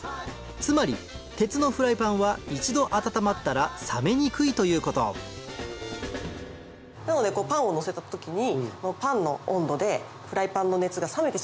つまり鉄のフライパンは一度温まったら冷めにくいということなのでパンをのせた時に。